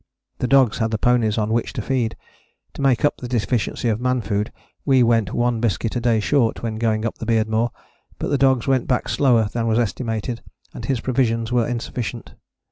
The dogs had the ponies on which to feed: to make up the deficiency of man food we went one biscuit a day short when going up the Beardmore: but the dogs went back slower than was estimated and his provisions were insufficient.